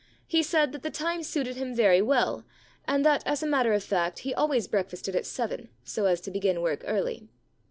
He said that the time suited him very well, and that, as a matter of fact, he always breakfasted at seven, so as to begin work early.